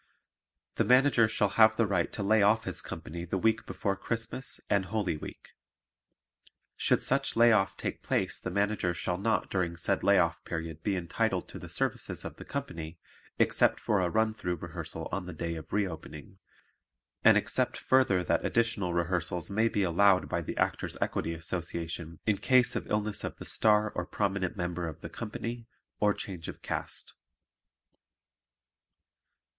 The Manager shall have the right to lay off his company the week before Christmas and Holy Week. Should such lay off take place the Manager shall not during said lay off period be entitled to the services of the company except for a run through rehearsal on the day of re opening, and except further that additional rehearsals may be allowed by the Actors' Equity Association in case of illness of the star or prominent member of the company or change of cast. 15.